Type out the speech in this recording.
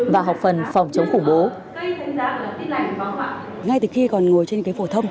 và học phần phòng chống khủng bố